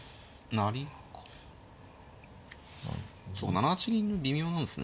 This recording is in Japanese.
７八銀微妙なんですね。